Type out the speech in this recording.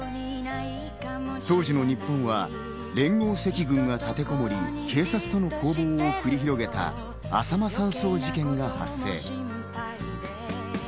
当時の日本は連合赤軍が立てこもり、警察との攻防を繰り広げたあさま山荘事件が発生。